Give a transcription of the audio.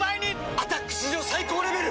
「アタック」史上最高レベル！